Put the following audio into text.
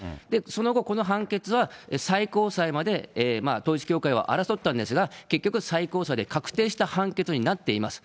その後、この判決は、最高裁まで統一教会は争ったんですが、結局、最高裁で確定した判決になっています。